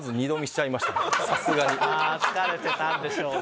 疲れてたんでしょうね。